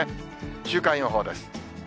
週間予報です。